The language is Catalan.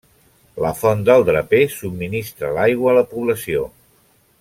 La font del Draper subministra l'aigua a la població.